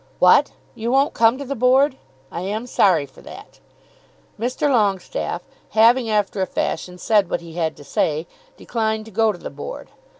What; you won't come to the Board? I am sorry for that." Mr. Longestaffe, having after a fashion said what he had to say, declined to go to the Board.